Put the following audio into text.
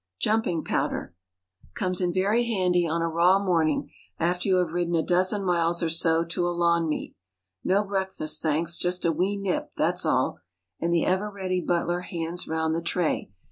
"Jumping Powder" comes in very handy, on a raw morning, after you have ridden a dozen miles or so to a lawn meet. "No breakfast, thanks, just a wee nip, that's all." And the ever ready butler hands round the tray.